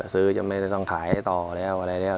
ซื้อจะไม่ต้องขายต่อแล้วอะไรแล้ว